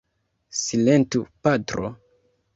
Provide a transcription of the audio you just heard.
Silentu, patro!